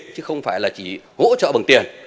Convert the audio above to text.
chứ không phải là chỉ hỗ trợ bằng tiền